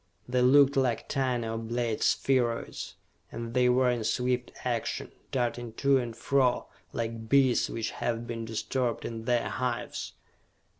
They looked like tiny oblate spheroids, and they were in swift action, darting to and fro like bees which have been disturbed in their hives.